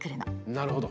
なるほど。